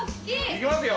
行きますよ。